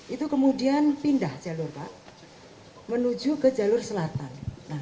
itu kemudian pindah jalur pak menuju ke jalur selatan